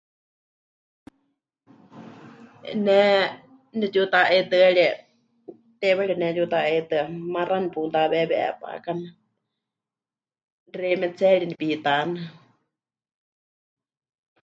Ne nepɨtiuta'aitɨ́arie, teiwari pɨnetiuta'aitɨa, maxa neputaweewi 'epakame, xeimetseeri nepitánɨ.